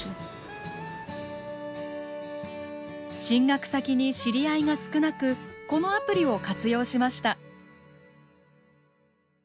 進学先に知り合いが少なくこのアプリを活用しました。